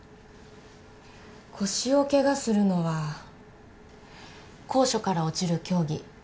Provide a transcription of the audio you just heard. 腰をケガするのは高所から落ちる競技。